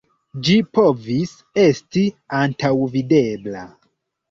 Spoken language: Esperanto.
Ĝi povis esti antaŭvidebla.